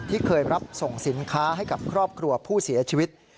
เคยรับส่งสินค้าให้กับครอบครัวผู้เสียชีวิต